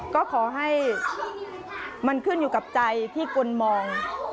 ก็ขอให้มันขึ้นอยู่กับใจที่คนมอง